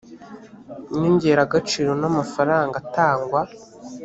nyongeragaciro n amafaranga atangwa